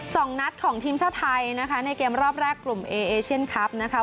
สองนัดของทีมชาติไทยนะคะในเกมรอบแรกกลุ่มเอเอเชียนคลับนะคะ